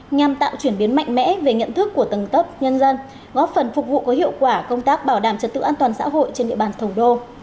nhằm tạo chuyển biến mạnh mẽ về nhận thức của tầng cấp nhân dân góp phần phục vụ có hiệu quả công tác bảo đảm trật tự an toàn xã hội trên địa bàn thủ đô